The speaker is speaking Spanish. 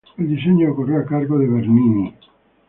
El diseño corrió a cargo de Bernini.